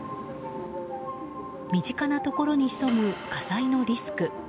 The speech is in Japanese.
身近なところに潜む火災のリスク。